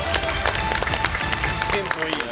テンポいいよ。